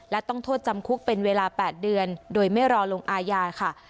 และต้องโทษจำคุกเป็นเวลา๘เดือนโดยไม่รอลงอาญาค่ะ